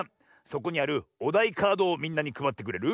そこにあるおだいカードをみんなにくばってくれる？